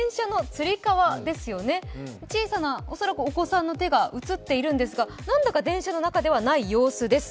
恐らく小さなお子さんの手が写っているんですがなんだか電車の中ではない様子です。